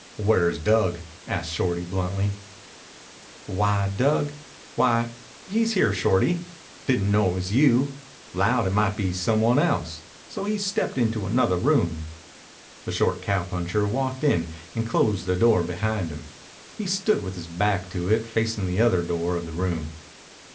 "Where's Dug?" asked Shorty bluntly. "Why, Dug why, he's here, Shorty. Didn't know it was you. 'Lowed it might be some one else. So he stepped into another room." The short cowpuncher walked in and closed the door behind him. He stood with his back to it, facing the other door of the room.